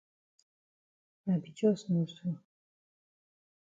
I be jus know so.